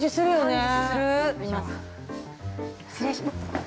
◆失礼します。